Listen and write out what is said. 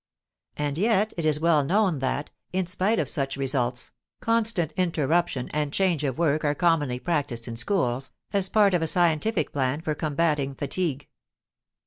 And yet it is well known that, in spite of such results, constant interruption and change of work are commonly practised in schools, as part of a scientific plan for combating fatigue.